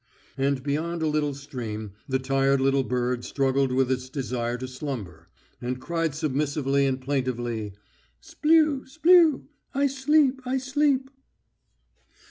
And beyond a little stream the tired little bird struggled with its desire to slumber, and cried submissively and plaintively, "Splew, splew, I sleep, I sleep."